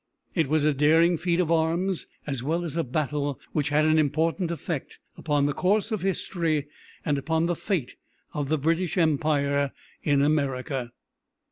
It was a daring feat of arms, as well as a battle which had an important effect upon the course of history and upon the fate of the British empire in America.